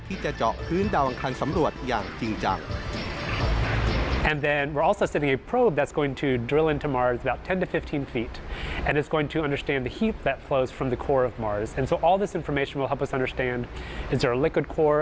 ที่จะเจาะพื้นดาวอังคารสำรวจอย่างจริงจัง